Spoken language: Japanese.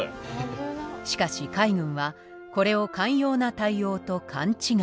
しかし海軍はこれを寛容な対応と勘違い。